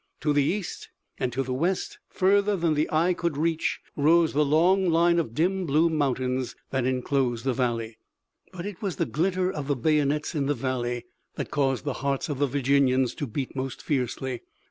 To the east and to the west further than the eye could reach rose the long line of dim blue mountains that enclosed the valley. But it was the glitter of the bayonets in the valley that caused the hearts of the Virginians to beat most fiercely.